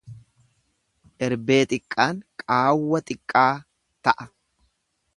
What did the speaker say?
Erbee xiqqaan qaawwa xiqqaa ta'a.